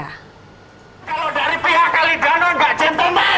kalau dari pihak kalidano enggak gentlemen